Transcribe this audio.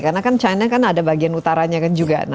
karena kan china ada bagian utaranya kan juga